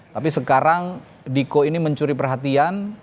tapi sekarang diko ini mencuri perhatian